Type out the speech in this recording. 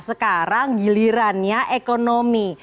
sekarang gilirannya ekonomi